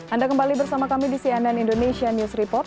anda kembali bersama kami di cnn indonesia news report